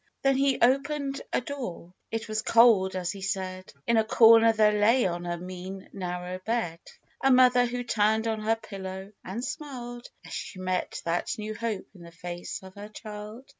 Then he opened a door ; it was cold, as he said ; In a corner there lay on a mean, narrow bed, A Mother, who turned on her pillow, and smiled As she met that new hope in the face of her child.